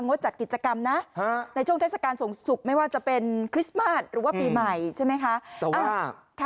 ดจัดกิจกรรมนะในช่วงเทศกาลสงศุกร์ไม่ว่าจะเป็นคริสต์มาสหรือว่าปีใหม่ใช่ไหมคะ